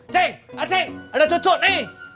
ceng aceng ada cucu nih